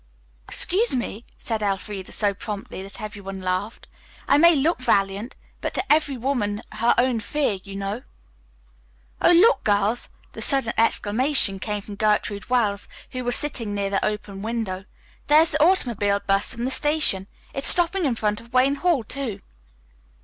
"Excuse me," said Elfreda so promptly that everyone laughed. "I may look valiant, but to every woman her own fear, you know." "Oh, look, girls!" The sudden exclamation came from Gertrude Wells, who was sitting near the open window. "There's the automobile bus from the station. It's stopping in front of Wayne Hall, too."